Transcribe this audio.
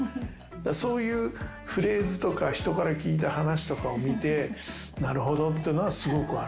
そういうフレーズとか人から聞いた話とかを見てなるほどっていうのはすごくある。